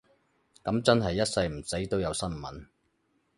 噉真係一世唔死都有新聞